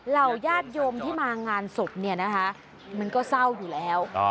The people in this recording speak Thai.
ญาติโยมที่มางานศพเนี่ยนะคะมันก็เศร้าอยู่แล้ว